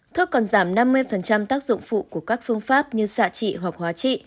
thuốc còn giảm năm mươi tác dụng phụ của các phương pháp như xạ trị hoặc hóa trị